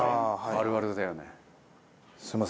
あるあるだよね。